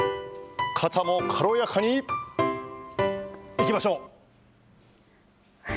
肩も軽やかにいきましょう。